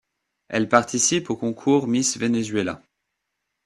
Elle participe au concours Miss Venezuela.